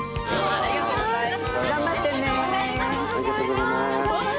ありがとうございます。